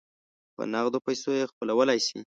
په نغدو پیسو یې خپلولای سی.